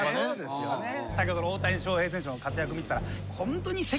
先ほどの大谷翔平選手の活躍見てたらホントに。